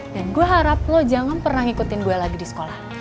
dan gue harap lo jangan pernah ngikutin gue lagi di sekolah